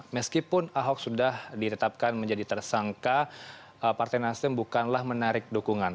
meskipun ahok sudah ditetapkan menjadi tersangka partai nasdem bukanlah menarik dukungan